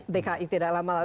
dki tidak lama lalu